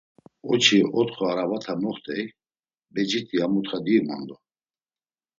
Oçi otxo arabate komoxt̆ey, becit̆i a muti diyu mondo!”